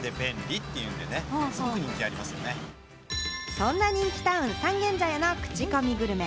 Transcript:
そんな人気タウン・三軒茶屋のクチコミグルメ。